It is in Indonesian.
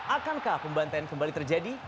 akankah pembantaian kembali terjadi